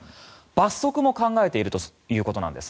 罰則も考えているということです。